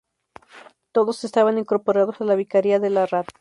Todos estaban incorporados a la Vicaría de La Rad.